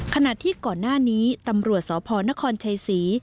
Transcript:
ขณะที่ก่อนหน้านี้ตำรวจสพนครชัยศรี